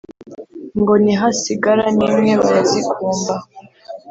ngo ntihasigara n'imwe; barazikumba –